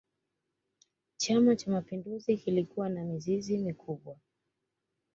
chama cha mapinduzi kilikuwa na mizizi mikubwa